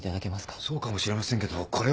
そうかもしれませんけどこれは。